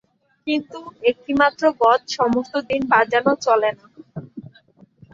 কিন্তু একটিমাত্র গৎ সমস্ত দিন বাজানো চলে না।